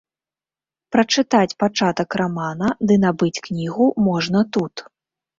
Прачытаць пачатак рамана ды набыць кнігу можна тут.